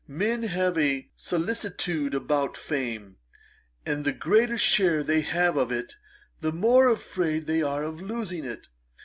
Men have a solicitude about fame; and the greater share they have of it, the more afraid they are of losing it.'